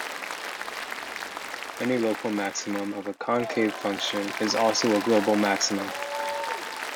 Any local maximum of a concave function is also a global maximum.